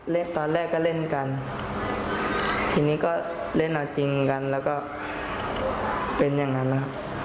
ตอนแรกก็เล่นกันทีนี้ก็เล่นเอาจริงกันแล้วก็เป็นอย่างนั้นนะครับ